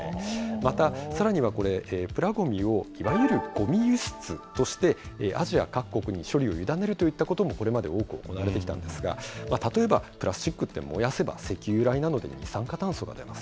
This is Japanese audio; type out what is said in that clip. また、さらにはこれ、プラごみをいわゆるごみ輸出として、アジア各国に処理を委ねるといったことも、これまで多く行われてきたんですが、例えば、プラスチックって燃やせば、石油由来なので二酸化炭素が出ます。